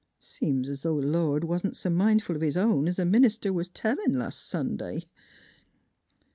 Seems 's V th' Lord wa'n't s' mindful of his own 's th' minister was tellin' las' Sunday.